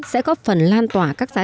sẽ góp phần lan tỏa các giá trị